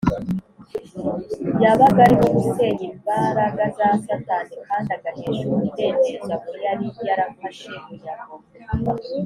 yabaga arimo gusenya imbaraga za satani kandi agahesha umudendezo abo yari yarafashe bunyago